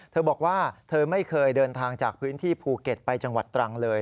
เธอบอกว่าเธอไม่เคยเดินทางจากพื้นที่ภูเก็ตไปจังหวัดตรังเลย